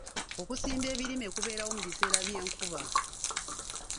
Okusimba ebirime kubeerawo mu biseera by'enkuba.